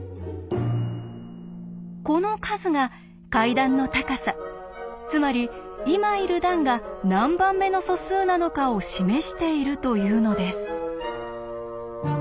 この数が階段の高さつまり今いる段が何番目の素数なのかを示しているというのです。